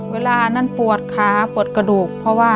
เวลานั้นปวดขาปวดกระดูก